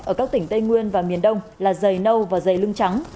ở các tỉnh tây nguyên và miền đông là dày nâu và dày lưng trắng